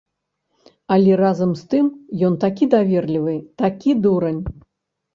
Але, разам з тым, ён такі даверлівы, такі дурань.